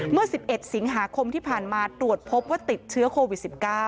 เมื่อ๑๑สิงหาคมที่ผ่านมาตรวจพบว่าติดเชื้อโควิด๑๙